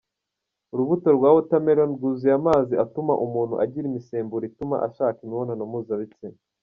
Urubuto rwa Watermelon rwuzuye amazi atuma umuntu agira imisemburo ituma ashaka imibonano mpuzabitsina.